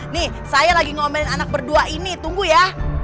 nih saya lagi ngomen anak berdua ini tunggu ya